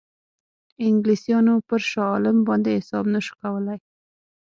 انګلیسانو پر شاه عالم باندې حساب نه شو کولای.